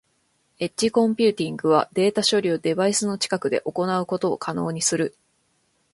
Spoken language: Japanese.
エッジコンピューティングはデータ処理をデバイスの近くで行うことを可能にする。